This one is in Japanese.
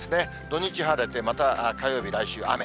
土日晴れて、また火曜日、来週雨。